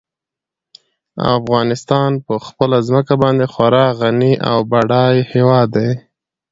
افغانستان په خپله ځمکه باندې خورا غني او بډای هېواد دی.